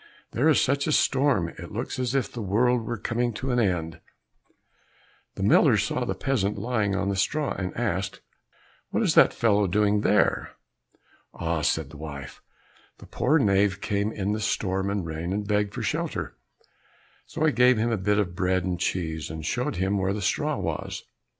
There is such a storm, it looks as if the world were coming to an end." The miller saw the peasant lying on the straw, and asked, "What is that fellow doing there?" "Ah," said the wife, "the poor knave came in the storm and rain, and begged for shelter, so I gave him a bit of bread and cheese, and showed him where the straw was."